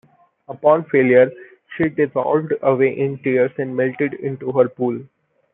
Upon failure, she dissolved away in tears and melted into her pool.